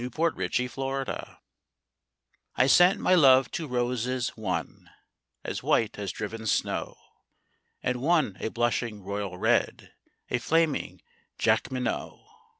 The White Flag I sent my love two roses, one As white as driven snow, And one a blushing royal red, A flaming Jacqueminot.